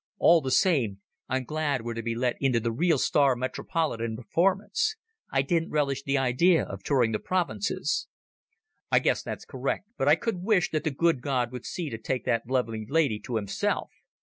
All the same I'm glad we're to be let into the real star metropolitan performance. I didn't relish the idea of touring the provinces." "I guess that's correct. But I could wish that the good God would see fit to take that lovely lady to Himself.